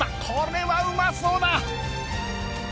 これはうまそうだ！